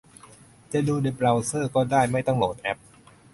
จะดูในเบราว์เซอร์ก็ได้ ไม่ต้องโหลดแอป